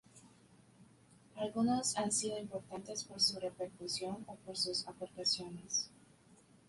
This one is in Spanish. Algunos han sido importantes por su repercusión o por sus aportaciones.